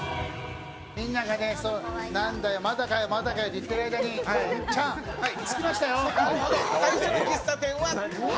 みんながね、何だよ、まだかよ、まだかよって言っている間に、チャン、着きましたよ。